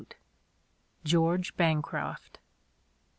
George Bancroft.